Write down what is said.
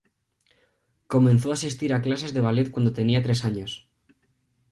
Comenzó a asistir a clases de ballet cuando tenía tres años.